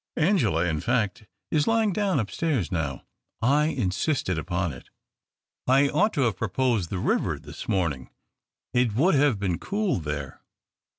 Angela, in fact, is lying down upstairs now. I insisted upon it." " I ought to have proposed the river this morning ; it would have been cool there."